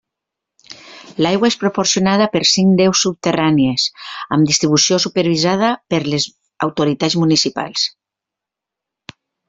L'aigua és proporcionada per cinc deus subterrànies, amb distribució supervisada per les autoritats municipals.